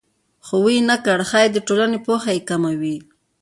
خو ویې نه کړ ښایي د ټولنې پوهه یې کمه وي